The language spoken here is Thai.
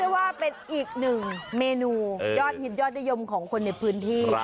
ว่าเป็นอีกหนึ่งเมนูยอดฮิตยอดนิยมของคนในพื้นที่